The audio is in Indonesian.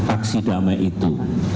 aksi damai itu